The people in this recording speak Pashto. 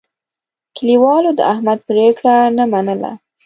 کلیوالو د احمد پرېکړه نه منله.